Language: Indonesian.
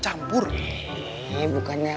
campur eh bukannya